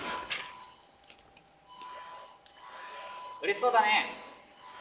うれしそうだね。